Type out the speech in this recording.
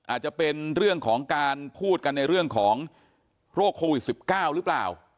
อาจจะเป็นเรื่องของการพูดกันในเรื่องของโรคโควิด๑๙หรือเปล่า